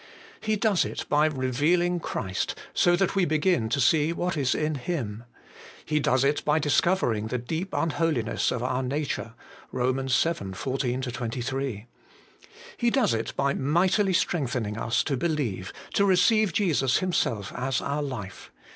He does it by revealing Christ, so that we begin to see what is in Him. He does it by discovering the deep unholiness of our nature (Eom. vii. 14 23). He does it by mightily strengthening us to believe, to receive Jesus Himself as our life.